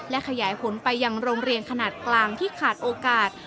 และขยายผลไปยังโรงเรียนขนาดกลางที่ขาดโอกาส